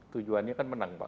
tujuannya kan menang pak